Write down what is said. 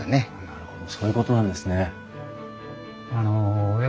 なるほど。